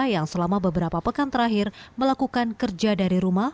yang selama beberapa pekan terakhir melakukan kerja dari rumah